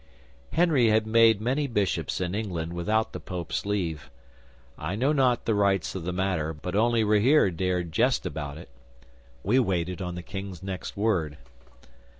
'Henry had made many bishops in England without the Pope's leave. I know not the rights of the matter, but only Rahere dared jest about it. We waited on the King's next word.